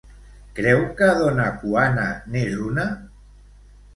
Creu que dona Cuana n'és una?